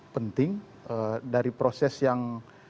penting dari proses yang